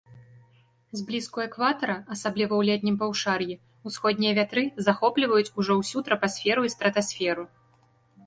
Зблізку экватара, асабліва ў летнім паўшар'і, усходнія вятры захопліваюць ужо ўсю трапасферу і стратасферу.